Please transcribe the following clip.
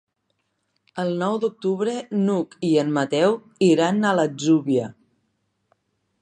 El nou d'octubre n'Hug i en Mateu iran a l'Atzúbia.